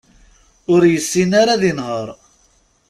Ur yessin ara ad inher.